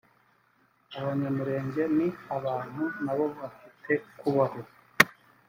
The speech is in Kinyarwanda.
abanyamulenge ni abantu nabo bafite kubaho